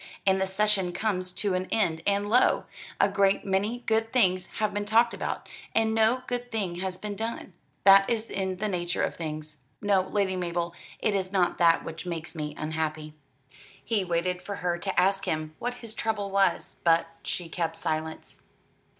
And the session comes to an end; and, lo! a great many good things have been talked about, and no good thing has been done. That is in the nature of things. No, Lady Mabel, it is not that which makes me unhappy." He waited for her to ask him what his trouble was, but she kept silence.